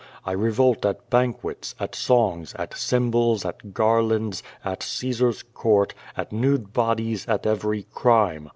I revolt at banquets, at songs, at cymbals, at garlands, at Caesar's court, at nude bodies, at every crime.